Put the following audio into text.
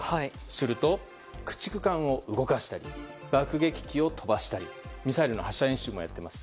すると、駆逐艦を動かしたり爆撃機を飛ばしたりミサイルの発射演習もやっています。